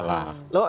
nah enggak lah